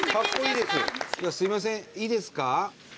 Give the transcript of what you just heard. すいませんいいですか？